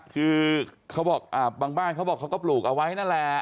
คือเขาบอกบางบ้านเขาบอกเขาก็ปลูกเอาไว้นั่นแหละ